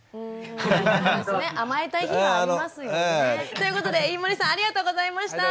そうですね甘えたい日はありますよね。ということで飯森さんありがとうございました。